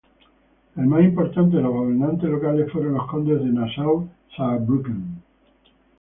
El más importante de los gobernantes locales fueron los condes de Nassau-Saarbrücken.